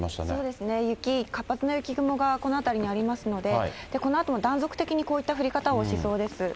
そうですね、雪、活発な雪雲がこの辺りにありますので、このあとも断続的にこういった降り方をしそうです。